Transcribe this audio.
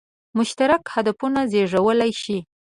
مشترک هدفونه زېږولای شي.